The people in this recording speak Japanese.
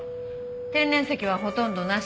天然石はほとんどなし。